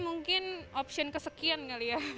mungkin option kesekian kali ya